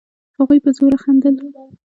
هغوی په زوره خندل.